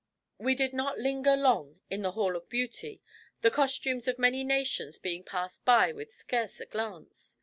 We did not linger long in the Hall of Beauty, the costumes of many nations being passed by with scarce a glance.